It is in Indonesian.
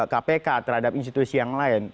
kpk terhadap institusi yang lain